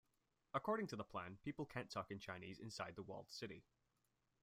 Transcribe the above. "According to the plan, people can't talk in Chinese inside the walled-city".